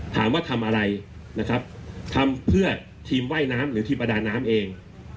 ถามว่าทำอะไรทำเพื่อทีมไว้น้ำหรือที่ประดาน้ำเอง